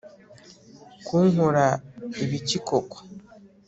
kunkora ibiki koko